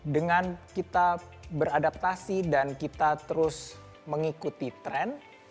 dengan kita beradaptasi dan kita terus mengikuti tren